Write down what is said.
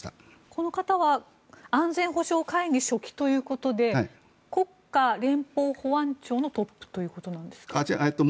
この方は安全保障会議書記ということで国家連邦保安庁のトップということなんですか。